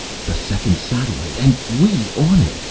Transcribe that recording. "The second satellite, and we on it!"